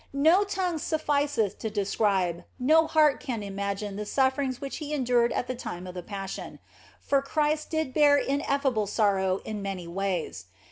No tongue sufficeth to describe, no heart can imagine the sufferings which He endured at the time of the Passion ; for Christ did bear ineffable sorrow in many ways.